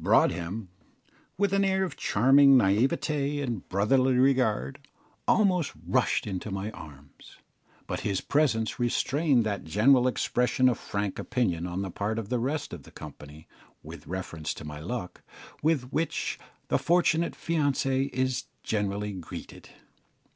Broadhem, with an air of charming naïveté and brotherly regard, almost rushed into my arms; but his presence restrained that general expression of frank opinion on the part of the rest of the company, with reference to my luck, with which the fortunate fiancé is generally greeted.